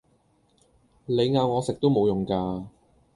你咬我食都無用架